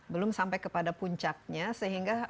belum sampai kepada puncaknya sehingga